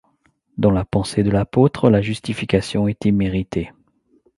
Dans la pensée de l'apôtre, la justification est imméritée.